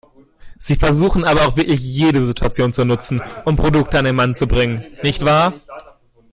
Sie versuchen aber auch wirklich jede Situation zu nutzen, um Produkte an den Mann zu bringen, nicht wahr?